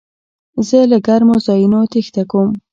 زه له ګرمو ځایونو تېښته کوم.